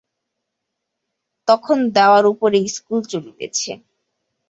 তখন দাওয়ার উপরে ইস্কুল চলিতেছে।